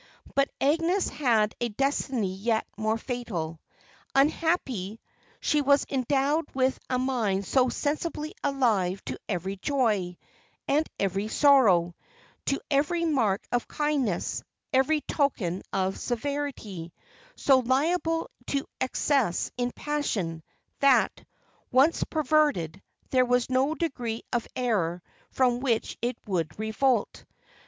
But Agnes had a destiny yet more fatal. Unhappily, she was endowed with a mind so sensibly alive to every joy, and every sorrow, to every mark of kindness, every token of severity, so liable to excess in passion, that, once perverted, there was no degree of error from which it would revolt.